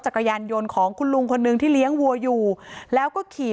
จักรยานยนต์ของคุณลุงคนนึงที่เลี้ยงวัวอยู่แล้วก็ขี่